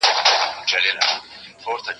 لاس دي تور، مخ دي په تور.